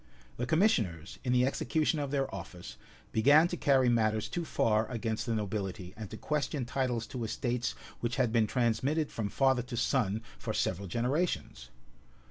[*] The commissioners, in the execution of their office, began to carry matters too far against the nobility, and to question titles to estates which had been transmitted from father to son for several generations.